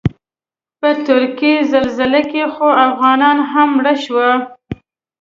په ترکیې زلزله کې خو افغانان هم مړه شوي.